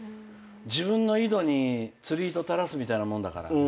自分の井戸に釣り糸垂らすみたいなもんだから。